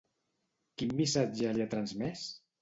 Quin missatge li ha transmès?